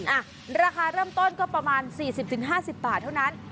อ่ะราคาเริ่มต้นก็ประมาณ๔๐๕๐บาทเท่านั้น